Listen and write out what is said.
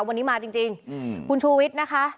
วันนี้มาจริงคุณชูวิทย์นะคะ